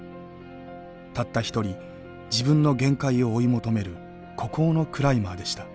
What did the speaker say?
たった一人自分の限界を追い求める孤高のクライマーでした。